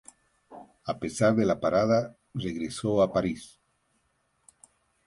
A pesar de la parada, regresó a París.